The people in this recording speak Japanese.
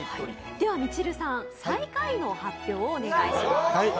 ではみちるさん、最下位の発表をお願いします。